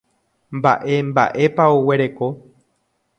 Mba'e mba'épa oguereko.